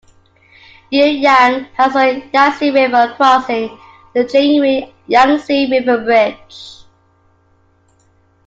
Yueyang has one Yangtze River crossing, the Jingyue Yangtze River Bridge.